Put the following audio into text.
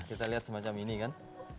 kita lihat semacam ini kan